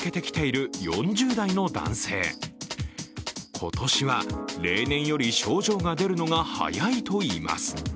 今年は例年より症状が出るのが早いといいます。